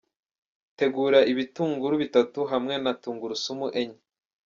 Tegura ibitunguru bitatu hamwe na tungurusumu enye.